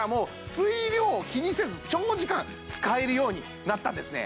水量を気にせず長時間使えるようになったんですね